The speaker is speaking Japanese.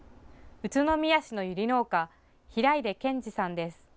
宇都宮市のユリ農家、平出賢司さんです。